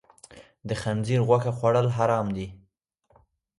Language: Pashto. د خنزیر غوښه خوړل حرام دي.